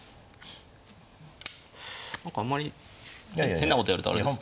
何かあんまり変なことやるとあれですか。